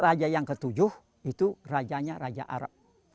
raja yang ketujuh itu rajanya raja arab